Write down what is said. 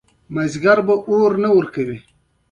هغې د ښایسته خاطرو لپاره د سپوږمیز مینه سندره ویله.